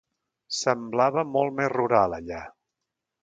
Semblava molt més rural allà.